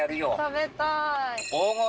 食べたい。